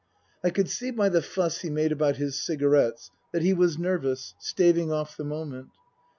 I could see by the fuss he made about his cigarettes that he was nervous, staving off the moment.